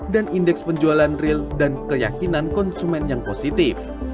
dan indeks penjualan real dan keyakinan konsumen yang positif